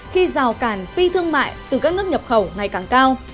khi rào cản phi thương mại từ các nước nhập khẩu ngày càng cao